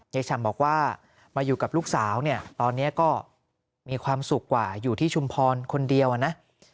ฉ่ำบอกว่ามาอยู่กับลูกสาวเนี่ยตอนนี้ก็มีความสุขกว่าอยู่ที่ชุมพรคนเดียวนะ